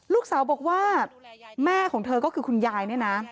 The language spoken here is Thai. ลูกสาวบอกว่าแม่ของเธอก็คือคุณยายเนี่ยนะ